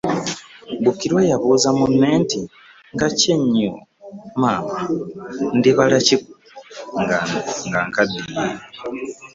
Bukirwa yabuuza munne nti Nga kiki ennyol Maama ndibala ki nga nkaddiye?